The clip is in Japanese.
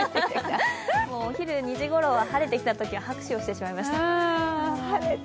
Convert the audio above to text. お昼２時ごろは晴れてきたときは拍手してしまいました。